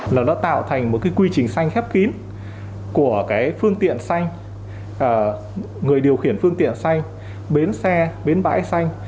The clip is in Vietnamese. là nó tạo thành một cái quy trình xanh khép kín của cái phương tiện xanh người điều khiển phương tiện xanh bến xe bến bãi xanh